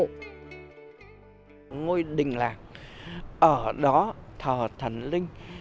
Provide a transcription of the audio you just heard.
ngôi đình làng ở đó thờ thần linh